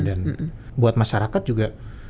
dan buat masyarakat juga